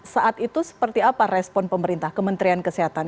saat itu seperti apa respon pemerintah kementerian kesehatan